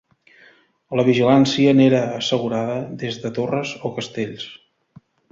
La vigilància n'era assegurada des de torres o castells.